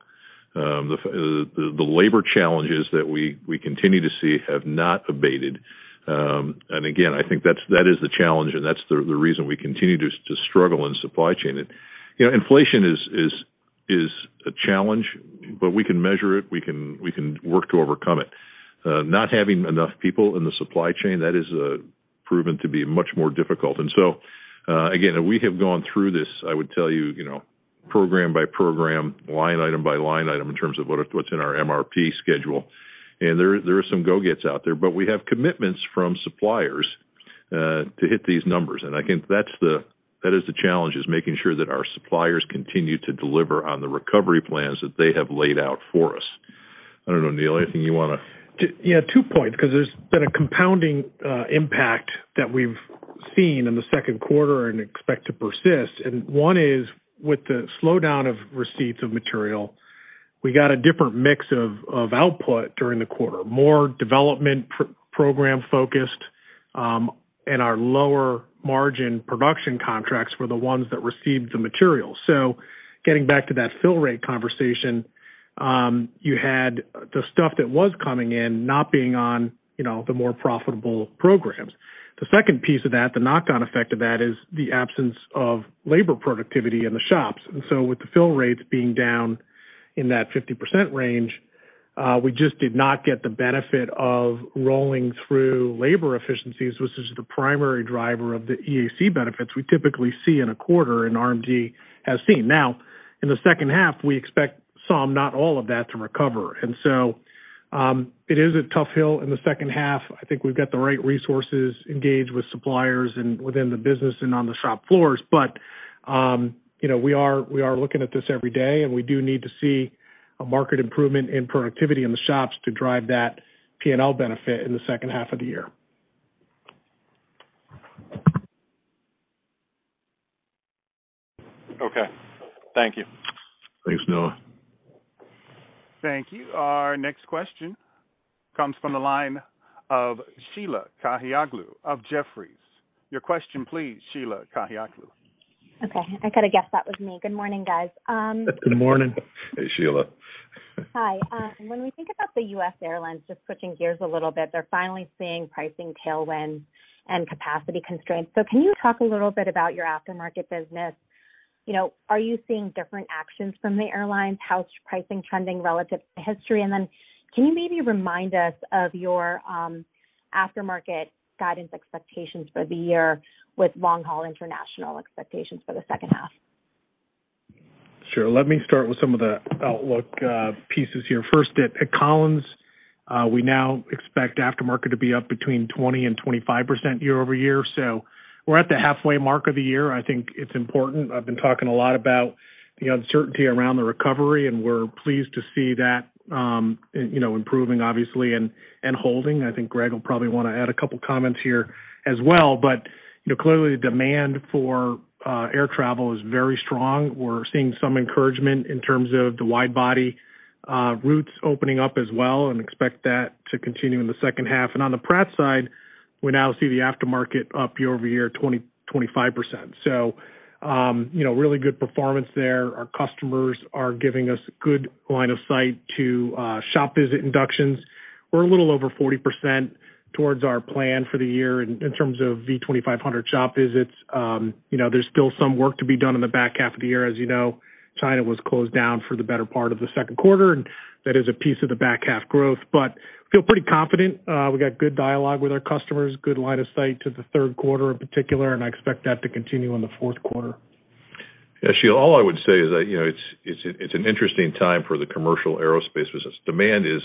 The labor challenges that we continue to see have not abated. Again, I think that is the challenge, and that's the reason we continue to struggle in supply chain. You know, inflation is a challenge, but we can measure it. We can work to overcome it. Not having enough people in the supply chain, that is proven to be much more difficult. Again, we have gone through this, I would tell you know, program by program, line item by line item in terms of what's in our MRP schedule. There are some go-gets out there. But we have commitments from suppliers to hit these numbers. I think that is the challenge, is making sure that our suppliers continue to deliver on the recovery plans that they have laid out for us. I don't know, Neil, anything you wanna... Yeah, two points, because there's been a compounding impact that we've seen in the second quarter and expect to persist. One is, with the slowdown of receipts of material, we got a different mix of output during the quarter. More development program focused, and our lower margin production contracts were the ones that received the material. Getting back to that fill rate conversation, you had the stuff that was coming in not being on, you know, the more profitable programs. The second piece of that, the knock-on effect of that is the absence of labor productivity in the shops. With the fill rates being down in that 50% range, we just did not get the benefit of rolling through labor efficiencies, which is the primary driver of the EAC benefits we typically see in a quarter and RMD has seen. Now, in the second half, we expect some, not all of that, to recover. It is a tough hill in the second half. I think we've got the right resources engaged with suppliers and within the business and on the shop floors. You know, we are looking at this every day, and we do need to see a market improvement in productivity in the shops to drive that P&L benefit in the second half of the year. Okay. Thank you. Thanks, Noah. Thank you. Our next question comes from the line of Sheila Kahyaoglu of Jefferies. Your question please, Sheila Kahyaoglu. Okay. I could have guessed that was me. Good morning, guys. Good morning. Hey, Sheila. Hi. When we think about the U.S. airlines, just switching gears a little bit, they're finally seeing pricing tailwind and capacity constraints. Can you talk a little bit about your aftermarket business? You know, are you seeing different actions from the airlines? How's pricing trending relative to history? And then can you maybe remind us of your aftermarket guidance expectations for the year with long-haul international expectations for the second half? Sure. Let me start with some of the outlook pieces here. First at Collins, we now expect aftermarket to be up between 20% and 25% year-over-year. We're at the halfway mark of the year. I think it's important. I've been talking a lot about the uncertainty around the recovery, and we're pleased to see that, you know, improving obviously and holding. I think Greg will probably wanna add a couple comments here as well. You know, clearly the demand for air travel is very strong. We're seeing some encouragement in terms of the wide-body routes opening up as well and expect that to continue in the second half. On the Pratt side, we now see the aftermarket up year-over-year 20%-25%. You know, really good performance there. Our customers are giving us good line of sight to shop visit inductions. We're a little over 40% towards our plan for the year in terms of V2500 shop visits. You know, there's still some work to be done in the back half of the year. As you know, China was closed down for the better part of the second quarter, and that is a piece of the back half growth. Feel pretty confident. We got good dialogue with our customers, good line of sight to the third quarter in particular, and I expect that to continue in the fourth quarter. Yeah, Sheila, all I would say is that, you know, it's an interesting time for the commercial aerospace business. Demand is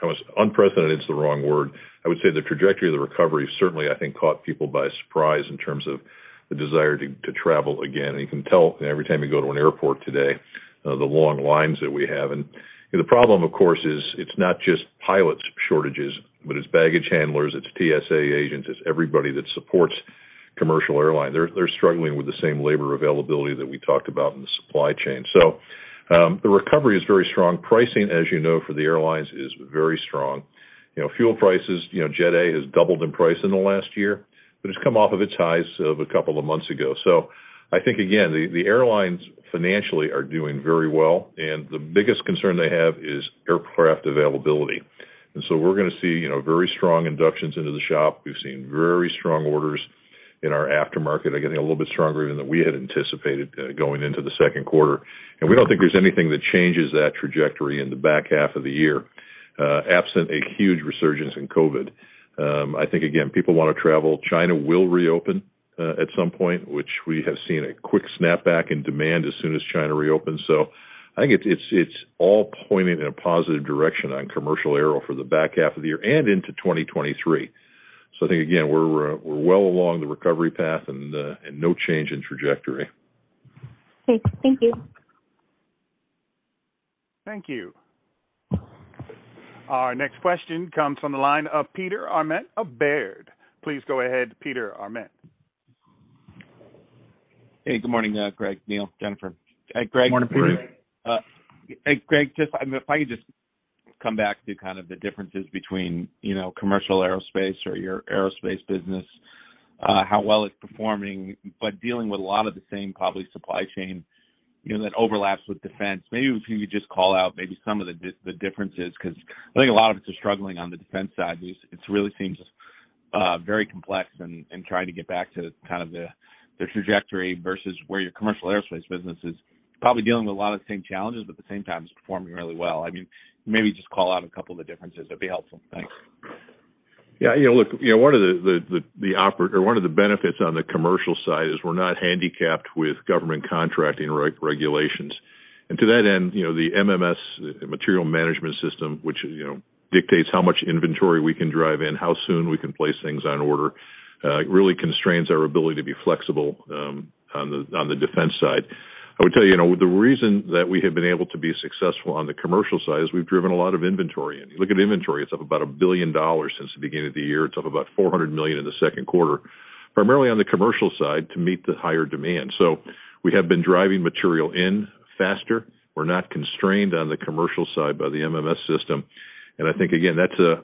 almost unprecedented is the wrong word. I would say the trajectory of the recovery certainly, I think, caught people by surprise in terms of the desire to travel again. You can tell every time you go to an airport today, the long lines that we have. You know, the problem of course is it's not just pilot shortages, but it's baggage handlers, it's TSA agents, it's everybody that supports commercial airlines. They're struggling with the same labor availability that we talked about in the supply chain. The recovery is very strong. Pricing, as you know, for the airlines is very strong. You know, fuel prices, you know, Jet A has doubled in price in the last year, but it's come off of its highs of a couple of months ago. I think again, the airlines financially are doing very well, and the biggest concern they have is aircraft availability. We're gonna see, you know, very strong inductions into the shop. We've seen very strong orders in our aftermarket. They're getting a little bit stronger than we had anticipated, going into the second quarter. We don't think there's anything that changes that trajectory in the back half of the year, absent a huge resurgence in COVID. I think again, people wanna travel. China will reopen, at some point, which we have seen a quick snapback in demand as soon as China reopens. I think it's all pointing in a positive direction on commercial aero for the back half of the year and into 2023. I think, again, we're well along the recovery path and no change in trajectory. Okay. Thank you. Thank you. Our next question comes from the line of Peter Arment of Baird. Please go ahead, Peter Arment. Hey, good morning, Greg, Neil, Jennifer. Hey, Greg. Morning, Peter. Hey, Greg, just, I mean, if I could just come back to kind of the differences between, you know, commercial aerospace or your aerospace business, how well it's performing, but dealing with a lot of the same probably supply chain, you know, that overlaps with defense. Maybe if you could just call out maybe some of the the differences 'cause I think a lot of us are struggling on the defense side. It really seems very complex and trying to get back to kind of the trajectory versus where your commercial aerospace business is probably dealing with a lot of the same challenges, but at the same time is performing really well. I mean, maybe just call out a couple of the differences. That'd be helpful. Thanks. You know, look, you know, one of the benefits on the commercial side is we're not handicapped with government contracting regulations. To that end, you know, the MMS, Material Management System, which, you know, dictates how much inventory we can drive in, how soon we can place things on order, really constrains our ability to be flexible on the defense side. I would tell you know, the reason that we have been able to be successful on the commercial side is we've driven a lot of inventory, and you look at inventory, it's up about $1 billion since the beginning of the year. It's up about $400 million in the second quarter, primarily on the commercial side to meet the higher demand. We have been driving material in faster. We're not constrained on the commercial side by the MMS system. I think, again, that's a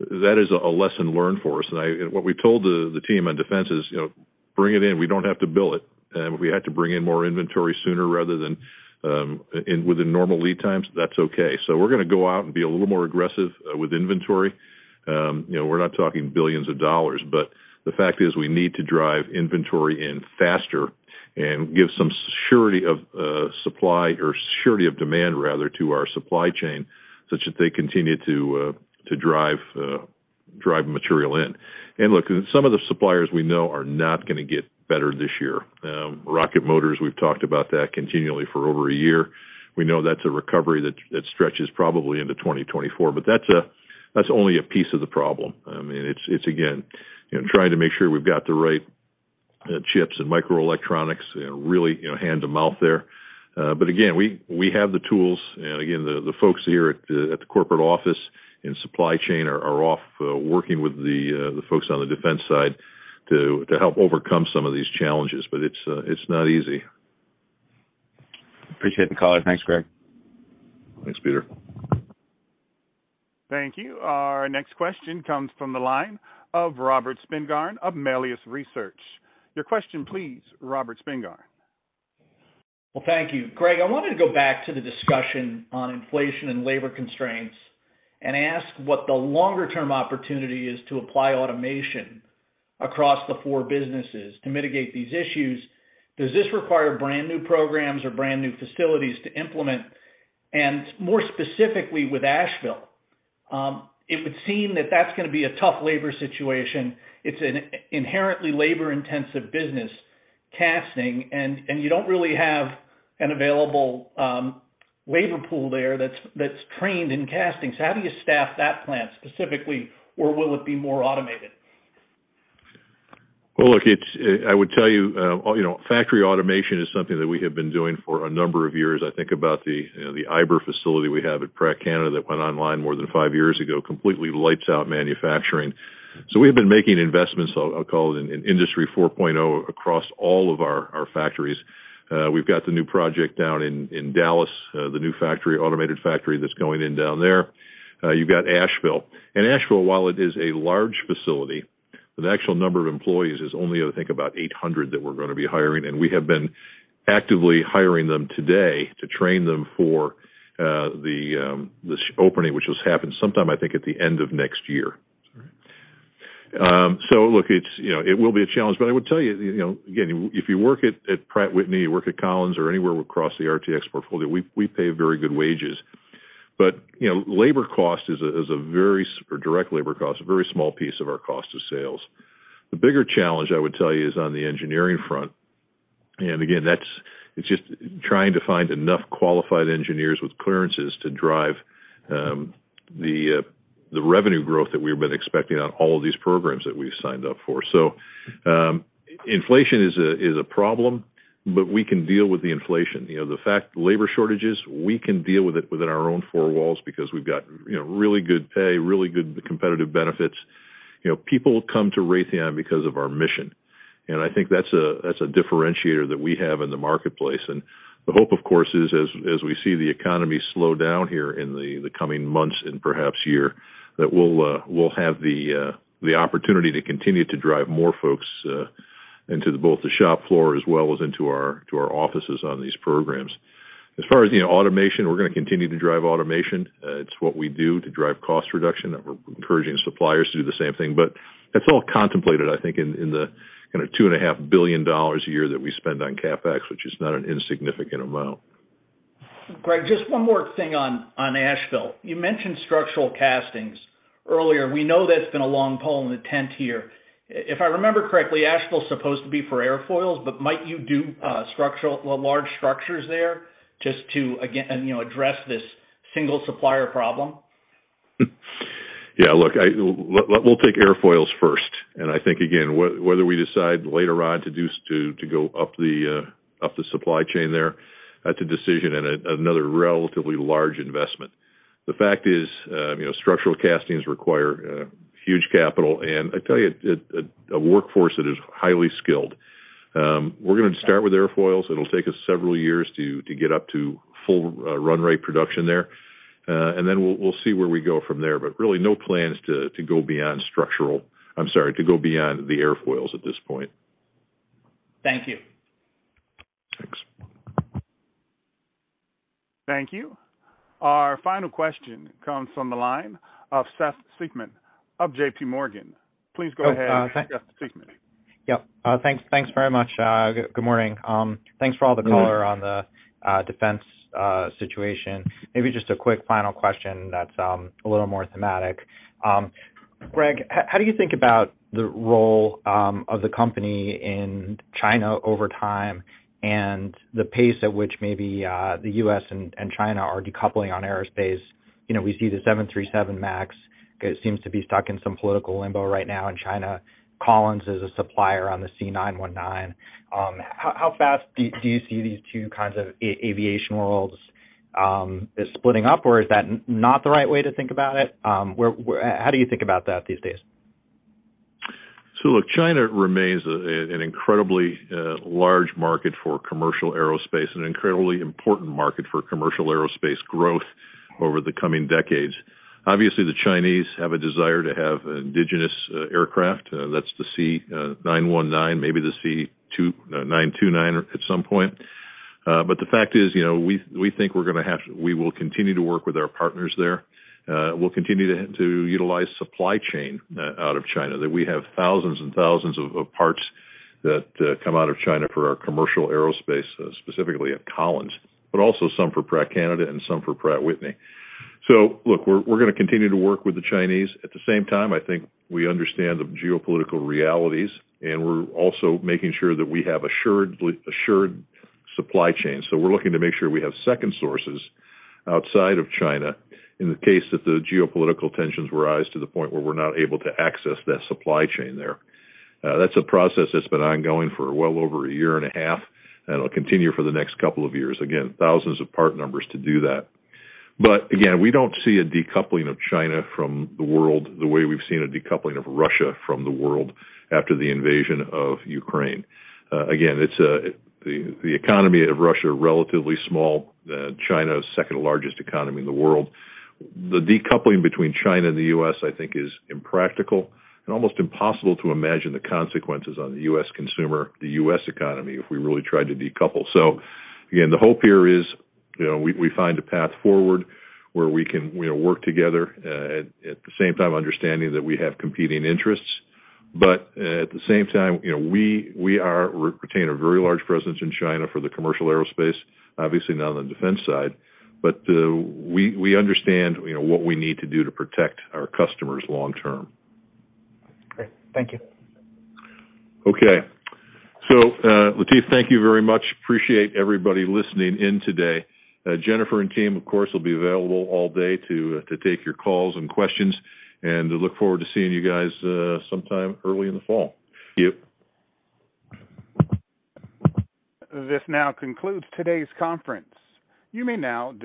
lesson learned for us. What we told the team on defense is, you know, bring it in. We don't have to bill it. If we had to bring in more inventory sooner rather than within normal lead times, that's okay. We're gonna go out and be a little more aggressive with inventory. You know, we're not talking billions of dollars, but the fact is we need to drive inventory in faster and give some surety of supply or surety of demand, rather, to our supply chain, such that they continue to drive material in. Look, some of the suppliers we know are not gonna get better this year. Rocket motors, we've talked about that continually for over a year. We know that's a recovery that stretches probably into 2024, but that's only a piece of the problem. I mean, it's again, you know, trying to make sure we've got the right chips and microelectronics, you know, really hand to mouth there. But again, we have the tools. Again, the folks here at the corporate office and supply chain are off working with the folks on the defense side to help overcome some of these challenges. It's not easy. Appreciate the color. Thanks, Greg. Thanks, Peter. Thank you. Our next question comes from the line of Robert Spingarn of Melius Research. Your question, please, Robert Spingarn. Well, thank you. Greg, I wanted to go back to the discussion on inflation and labor constraints and ask what the longer term opportunity is to apply automation across the four businesses to mitigate these issues. Does this require brand new programs or brand new facilities to implement? More specifically with Asheville, it would seem that that's gonna be a tough labor situation. It's an inherently labor-intensive business, casting, and you don't really have an available labor pool there that's trained in casting. So how do you staff that plant specifically, or will it be more automated? Well, look, it's, I would tell you know, factory automation is something that we have been doing for a number of years. I think about the, you know, the Mirabel facility we have at Pratt Canada that went online more than five years ago, completely lights out manufacturing. We have been making investments. I'll call it in Industry 4.0 across all of our factories. We've got the new project down in Dallas, the new factory, automated factory that's going in down there. You've got Asheville. Asheville, while it is a large facility, the actual number of employees is only, I think, about 800 that we're gonna be hiring, and we have been actively hiring them to date to train them for the opening, which has happened sometime, I think, at the end of next year. Look, you know, it will be a challenge, but I will tell you know, again, if you work at Pratt & Whitney, you work at Collins or anywhere across the RTX portfolio, we pay very good wages. Labor cost is a very small, or direct labor cost, a very small piece of our cost of sales. The bigger challenge I would tell you is on the engineering front. That's it. It's just trying to find enough qualified engineers with clearances to drive the revenue growth that we've been expecting on all of these programs that we've signed up for. Inflation is a problem, but we can deal with the inflation. You know, labor shortages, we can deal with it within our own four walls because we've got you know, really good pay, really good competitive benefits. You know, people come to Raytheon because of our mission. I think that's a differentiator that we have in the marketplace. The hope, of course, is as we see the economy slow down here in the coming months and perhaps year, that we'll have the opportunity to continue to drive more folks into both the shop floor as well as into our offices on these programs. As far as, you know, automation, we're gonna continue to drive automation. It's what we do to drive cost reduction, and we're encouraging suppliers to do the same thing. That's all contemplated, I think, in the kinda $2.5 billion a year that we spend on CapEx, which is not an insignificant amount. Greg, just one more thing on Asheville. You mentioned structural castings earlier. We know that's been a long pole in the tent here. If I remember correctly, Asheville is supposed to be for airfoils, but might you do structural large structures there just to, again, you know, address this single supplier problem? Yeah. Look, we'll take airfoils first. I think, again, whether we decide later on to go up the supply chain there, that's a decision and another relatively large investment. The fact is, you know, structural castings require huge capital. I tell you, a workforce that is highly skilled. We're gonna start with airfoils. It'll take us several years to get up to full run rate production there. Then we'll see where we go from there. Really no plans to go beyond the airfoils at this point. Thank you. Thanks. Thank you. Our final question comes from the line of Seth Seifman of JPMorgan. Please go ahead, Seth Seifman. Yeah. Thanks. Thanks very much. Good morning. Thanks for all the color on the defense situation. Maybe just a quick final question that's a little more thematic. Greg, how do you think about the role of the company in China over time and the pace at which maybe the U.S. and China are decoupling on aerospace? You know, we see the 737 MAX, it seems to be stuck in some political limbo right now in China. Collins is a supplier on the C919. How fast do you see these two kinds of aviation worlds splitting up? Or is that not the right way to think about it? How do you think about that these days? Look, China remains an incredibly large market for commercial aerospace and an incredibly important market for commercial aerospace growth over the coming decades. Obviously, the Chinese have a desire to have indigenous aircraft. That's the C919, maybe the C929 at some point. But the fact is, you know, we think we will continue to work with our partners there. We'll continue to utilize supply chain out of China, that we have thousands and thousands of parts that come out of China for our commercial aerospace, specifically at Collins, but also some for Pratt Canada and some for Pratt & Whitney. Look, we're gonna continue to work with the Chinese. At the same time, I think we understand the geopolitical realities, and we're also making sure that we have assured supply chain. We're looking to make sure we have second sources outside of China in the case that the geopolitical tensions rise to the point where we're not able to access that supply chain there. That's a process that's been ongoing for well over a year and a half, and it'll continue for the next couple of years. Again, thousands of part numbers to do that. Again, we don't see a decoupling of China from the world the way we've seen a decoupling of Russia from the world after the invasion of Ukraine. Again, it's the economy of Russia, relatively small. China is second largest economy in the world. The decoupling between China and the U.S., I think, is impractical and almost impossible to imagine the consequences on the U.S. consumer, the U.S. economy, if we really tried to decouple. Again, the hope here is, you know, we find a path forward, where we can, you know, work together, at the same time understanding that we have competing interests. At the same time, you know, we retain a very large presence in China for the commercial aerospace, obviously not on the defense side. We understand, you know, what we need to do to protect our customers long term. Great. Thank you. Okay. Latif, thank you very much. Appreciate everybody listening in today. Jennifer and team, of course, will be available all day to take your calls and questions, and look forward to seeing you guys sometime early in the fall. Thank you. This now concludes today's conference. You may now disconnect.